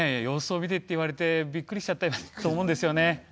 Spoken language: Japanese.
様子を見てって言われてびっくりしちゃったと思うんですよね。